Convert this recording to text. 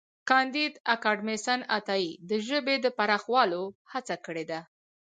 کانديد اکاډميسن عطايي د ژبې د پراخولو هڅه کړې ده.